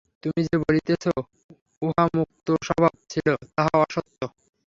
তুমি যে বলিতেছ, উহা মুক্তস্বভাব ছিল, তাহা অসত্য।